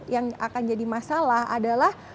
yang akan jadi masalah adalah